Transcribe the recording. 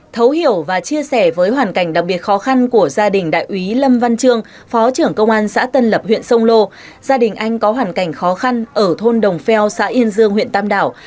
thấu hiểu và chia sẻ với hoàn cảnh đặc biệt khó khăn của gia đình đại ủy lâm văn trương phó trưởng công an xã tân lập huyện sông lô gia đình anh có hoàn cảnh khó khăn ở thôn đồng pheo xã yên dương huyện tam đảo